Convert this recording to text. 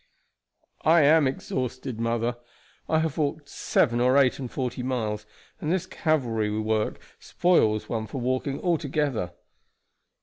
"I am exhausted, mother. I have walked seven or eight and forty miles, and this cavalry work spoils one for walking altogether."